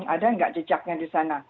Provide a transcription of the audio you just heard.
ada nggak jejaknya di sana